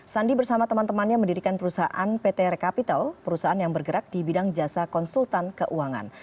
sandi bersama teman temannya mendirikan perusahaan pt rekapital perusahaan yang bergerak di bidang jasa konsultan keuangan